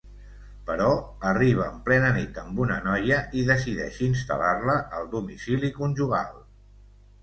Però arriba en plena nit amb una noia i decideix instal·lar-la al domicili conjugal.